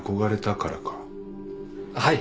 はい。